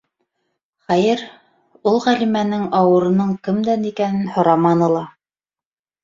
Хәйер, ул Ғәлимәнең ауырының кемдән икәнен һораманы ла.